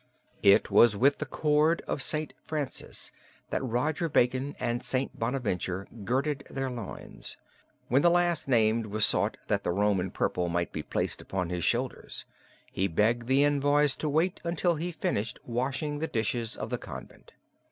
It was with the cord of St. Francis that Roger Bacon and St. Bonaventure girded their loins; when the last named was sought that the Roman purple might be placed upon his shoulders, he begged the envoys to wait until he finished washing the dishes of the convent.